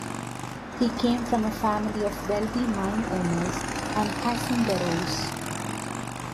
He came from a family of wealthy mine owners and Hacienderos.